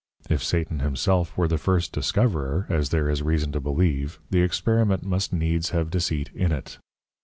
If Satan himself were the first Discoverer (as there is reason to believe) the experiment must needs have deceit in it.